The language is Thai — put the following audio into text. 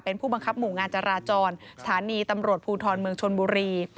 เป็นผู้บังคับหมู่งานจราจรสถานีตำรวจภูทรเมืองชนบุรี